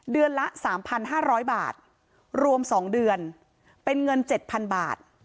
เดือนละสามพันห้าร้อยบาทรวมสองเดือนเป็นเงินเจ็ดพันบาท